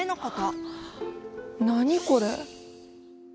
何これ？